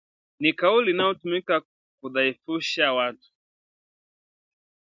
Ni kauli inayotumika kudhaifusha watu